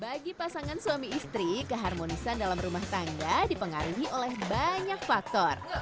bagi pasangan suami istri keharmonisan dalam rumah tangga dipengaruhi oleh banyak faktor